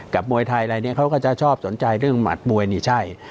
มวยไทยอะไรเนี่ยเขาก็จะชอบสนใจเรื่องหมัดมวยนี่ใช่